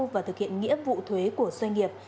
và thực hiện nghĩa vụ thuế của doanh nghiệp